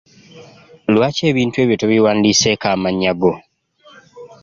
Lwaki ebintu ebyo tobiwandiiseeko mannya go.